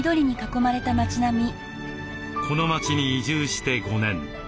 この町に移住して５年。